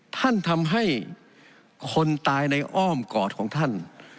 ท่านทำให้คนตายในอ้อมกอดของท่าน